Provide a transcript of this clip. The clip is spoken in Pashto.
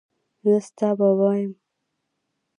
زه ستا بابا یم.